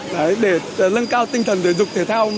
đấy để nâng cao tinh thần thể dục thể thao